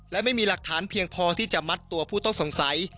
และไม่มีหลักฐานเพียงพอที่จะมัดตัวผู้ต้องสงสัย